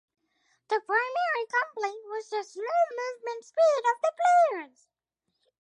The primary complaint was the slow movement speed of the players.